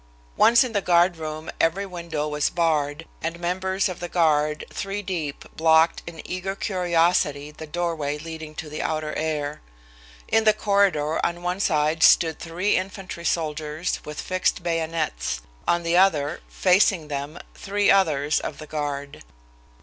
Once in the guard room every window was barred, and members of the guard, three deep, blocked in eager curiosity the doorway leading to the outer air. In the corridor on one side stood three infantry soldiers, with fixed bayonets. On the other, facing them, three others of the guard.